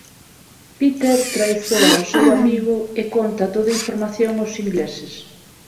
Peter traizoa o seu amigo e conta toda a información ós ingleses.